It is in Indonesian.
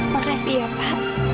makasih ya pak